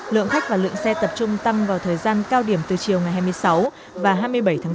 lượng khách và lượng xe tập trung tăng vào thời gian cao điểm từ chiều ngày hai mươi sáu và hai mươi bảy tháng bốn